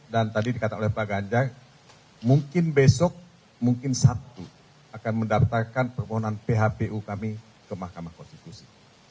tadi dikatakan oleh pak ganjar mungkin besok mungkin sabtu akan mendaftarkan permohonan phpu kami ke mahkamah konstitusi